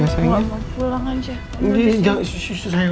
saya mau pulang aja